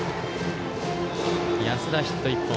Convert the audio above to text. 安田、ヒット１本。